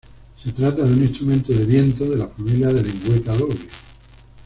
Se trata de un instrumento de viento, de la familia de lengüeta doble.